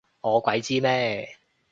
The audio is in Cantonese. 我鬼知咩？